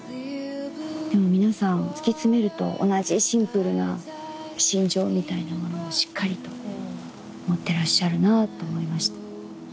でも皆さん突き詰めると同じシンプルな信条みたいなものをしっかりと持ってらっしゃるなと思いました。